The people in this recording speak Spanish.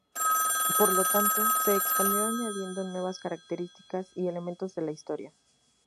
Por lo tanto, se expandió añadiendo nuevas características y elementos de la historia.